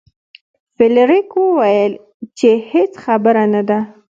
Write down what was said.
فلیریک وویل چې هیڅ خبره نه ده.